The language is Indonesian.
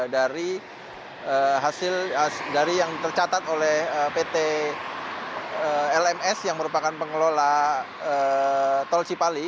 dari hasil dari yang tercatat oleh pt lms yang merupakan pengelola tol cipali